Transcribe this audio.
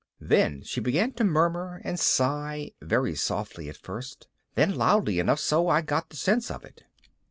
Then she began to murmur and sigh, very softly at first, then loudly enough so I got the sense of it.